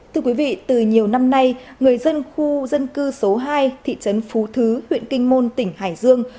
thưa quý vị từ nhiều năm nay người dân khu dân cư số hai thị trấn phú thứ huyện kinh môn tỉnh hải dương